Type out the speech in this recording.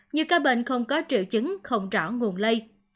nhiều ca bệnh không có triệu chứng không rõ nguồn lây